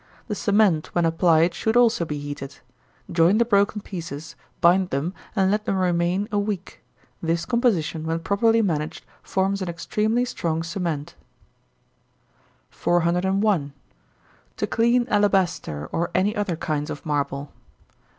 The cement, when applied, should also be heated. Join the broken pieces, bind them, and let them remain a week. This composition, when properly managed, forms an extremely strong cement. 401. _To clean Alabaster, or any other kinds of Marble.